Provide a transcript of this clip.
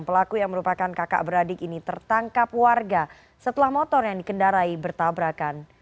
pelaku yang merupakan kakak beradik ini tertangkap warga setelah motor yang dikendarai bertabrakan